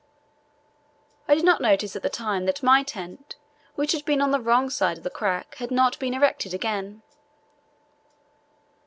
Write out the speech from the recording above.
I did not notice at the time that my tent, which had been on the wrong side of the crack, had not been erected again.